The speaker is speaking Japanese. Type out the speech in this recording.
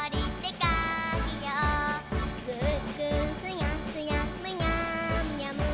「ぐーぐーすやすやむにゃむにゃむ」